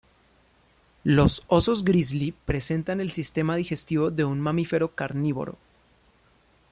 Los osos grizzly presentan el sistema digestivo de un mamífero carnívoro.